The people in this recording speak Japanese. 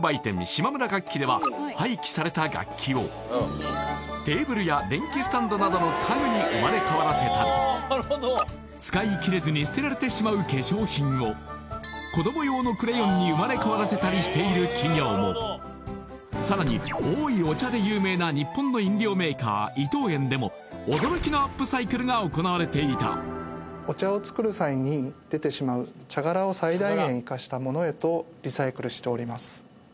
島村楽器では廃棄された楽器をテーブルや電気スタンドなどの家具に生まれ変わらせたり使いきれずに捨てられてしまう化粧品を子ども用のクレヨンに生まれ変わらせたりしている企業もさらに「おいお茶」で有名な日本の飲料メーカー伊藤園でも驚きのアップサイクルが行われていた茶殻を最大限いかしたものへとリサイクルしております